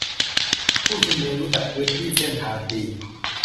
-ผู้ชุมนุมรู้จักพื้นที่-เส้นทางดี